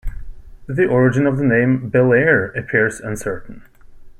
The origin of the name 'Belair' appears uncertain.